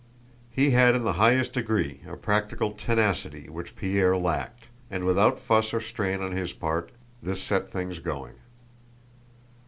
He had in the highest degree a practical tenacity which Pierre lacked, and without fuss or strain on his part this set things going.